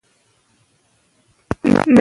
حافظ شېرازي د ژوند د غنیمت ګڼلو په اړه ویلي دي.